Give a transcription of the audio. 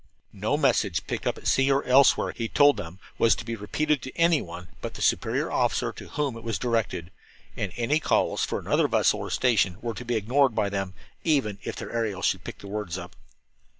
No message picked up at sea or elsewhere, he told them, was to be repeated to anyone but the superior officer to whom it was directed; and any calls for another vessel or station were to be ignored by them, even if their aerial should pick the words up.